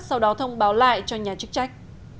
sau đó thông báo lại cho nhà chức trách